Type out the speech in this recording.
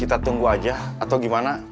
kita tunggu aja atau gimana